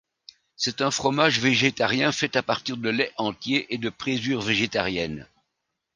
C’est un fromage végétarien fait à partir de lait entier et de présure végétarienne.